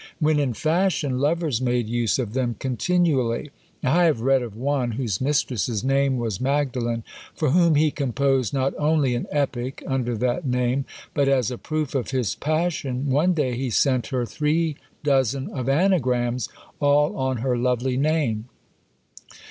When in fashion, lovers made use of them continually: I have read of one, whose mistress's name was Magdalen, for whom he composed, not only an epic under that name, but as a proof of his passion, one day he sent her three dozen of anagrams all on her lovely name.